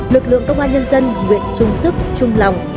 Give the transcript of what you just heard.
lực lượng công an nhân dân nguyện chung sức chung lòng